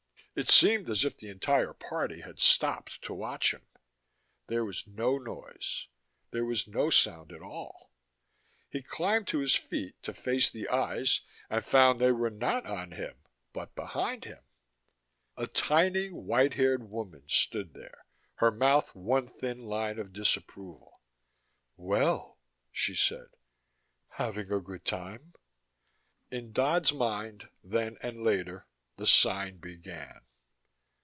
It seemed as if the entire party had stopped to watch him. There was no noise. There was no sound at all. He climbed to his feet to face the eyes and found they were not on him, but behind him. A tiny white haired woman stood there, her mouth one thin line of disapproval. "Well," she said. "Having a good time?" In Dodd's mind, then and later, the sign began.